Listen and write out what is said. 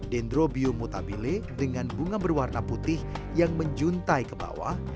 dendrobium mutabile dengan bunga berwarna putih yang menjuntai ke bawah